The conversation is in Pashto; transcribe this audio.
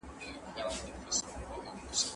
مقابله کول زړورتیا غواړي.